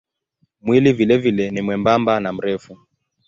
Mwili vilevile ni mwembamba na mrefu.